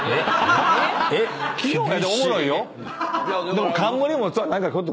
でも。